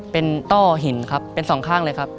เป็นต้อหินครับเป็นสองข้างเลยครับ